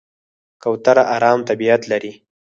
کوتره آرام طبیعت لري.